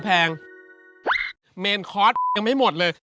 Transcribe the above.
แพงเมนคอร์สยังไม่หมดเลย